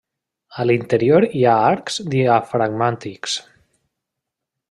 A l'interior hi ha arcs diafragmàtics.